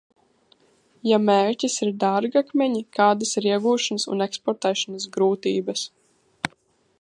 Ja mērķis ir dārgakmeņi, kādas ir iegūšanas un eksportēšanas grūtības?